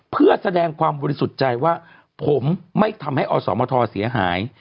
เพื่อแสดงความบริสุทธิ์ใจว่าผมไม่ทำให้อสมทรเสียหาย